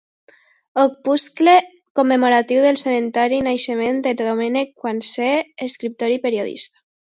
Opuscle commemoratiu del centenari del naixement de Domènec Guansé, escriptor i periodista.